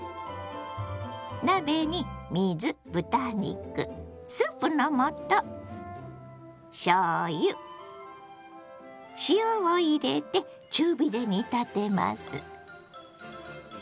鍋に水豚肉スープの素しょうゆ塩を入れて中火で煮立てます。